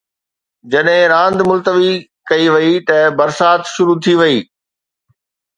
جڏهن راند ملتوي ڪئي وئي ته برسات شروع ٿي وئي.